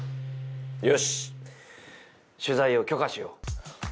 よし取材を許可しよう。